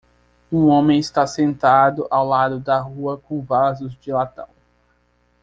Um homem está sentado ao lado da rua com vasos de latão.